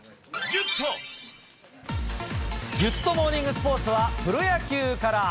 ギュッとモーニングスポーツはプロ野球から。